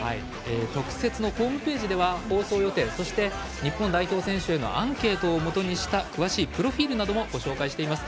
特設のホームページでは放送予定、そして、日本代表へのアンケートを基にした詳しいプロフィールなどもご紹介しています。